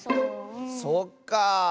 そっか。